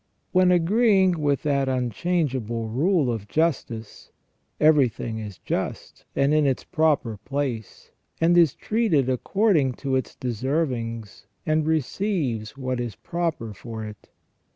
When agreeing with that unchangeable rule of justice, everything is just and in its proper place, and is treated according to its de servings, and receives what is proper for it.